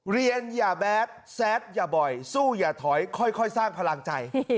อย่าแบดแซดอย่าบ่อยสู้อย่าถอยค่อยสร้างพลังใจ